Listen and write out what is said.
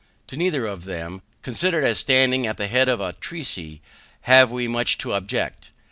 To neither of them, considered as standing at the head of a treatise, have we much to object.